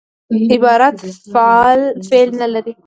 عبارت فعل نه لري.